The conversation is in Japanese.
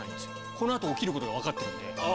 この後起きることが分かるんで。